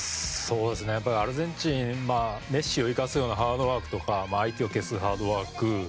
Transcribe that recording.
アルゼンチンメッシを生かすようなハードワークとか相手を消すハードワーク